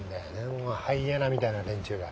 もうハイエナみたいな連中が。